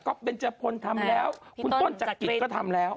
ก็เป็นเจฟพนธ์ทำแล้วคุณต้นจักริดก็ทำแล้ว